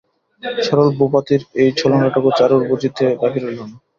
সরল ভূপতির এই ছলনাটুকু চারুর বুঝিতে বাকি রইল না।